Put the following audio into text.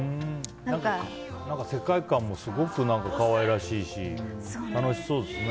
何か世界観もすごく可愛らしいし楽しそうですね。